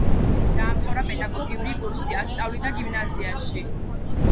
დაამთავრა პედაგოგიური კურსი, ასწავლიდა გიმნაზიაში.